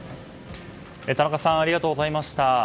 田中さんありがとうございました。